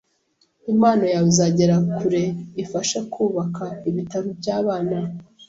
Impano yawe izagera kure ifasha kubaka ibitaro byabana